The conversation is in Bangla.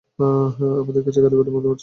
আমাদের কাছে কারিগরি মতামত চাওয়া হয়েছিল।